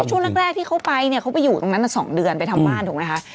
ช่วงแรกที่เขาไปเนี่ยเขาไปอยู่ตรงนั้น๒เดือนไปทำบ้านถูกไหมคะ